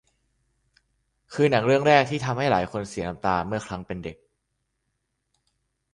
คือหนังเรื่องแรกที่ทำให้หลายคนเสียน้ำตาเมื่อครั้งเป็นเด็ก